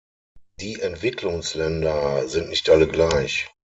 Die Entwicklungsländer sind nicht alle gleich.